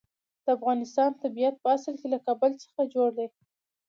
د افغانستان طبیعت په اصل کې له کابل څخه جوړ دی.